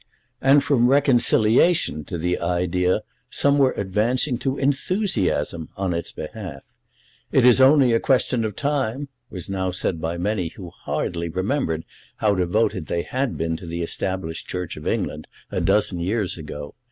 And from reconciliation to the idea some were advancing to enthusiasm on its behalf. "It is only a question of time," was now said by many who hardly remembered how devoted they had been to the Established Church of England a dozen years ago.